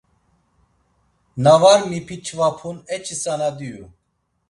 Na var mipiçvapun eçi tzana diyu.